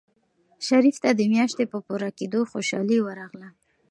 شریف ته د میاشتې په پوره کېدو خوشحالي ورغله.